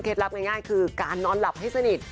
ลับง่ายคือการนอนหลับให้สนิท